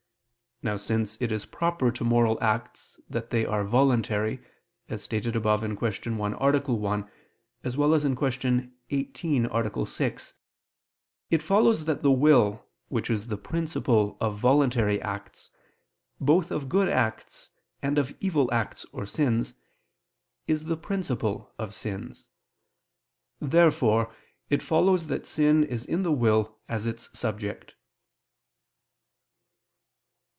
Now since it is proper to moral acts that they are voluntary, as stated above (Q. 1, A. 1; Q. 18, A. 6), it follows that the will, which is the principle of voluntary acts, both of good acts, and of evil acts or sins, is the principle of sins. Therefore it follows that sin is in the will as its subject.